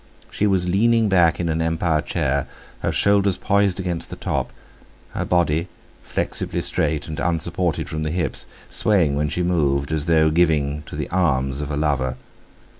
She was leaning back in an Empire chair, her shoulders poised against the top—her body, flexibly straight and unsupported from the hips, swaying when she moved, as though giving to the arms of a lover.